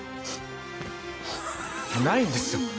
ないんですよ。